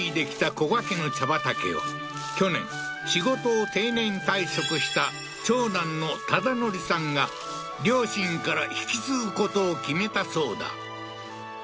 古閑家の茶畑を去年仕事を定年退職した長男の忠徳さんが両親から引き継ぐことを決めたそうだ